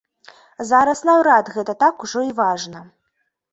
Зараз наўрад гэта так ужо і важна.